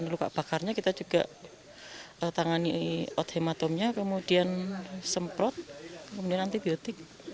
luka bakarnya kita juga tangani othematumnya kemudian semprot kemudian antibiotik